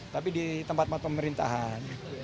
tapi di tempat tempat pemerintahan